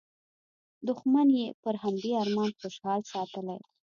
دوښمن یې پر همدې ارمان خوشحال ساتلی.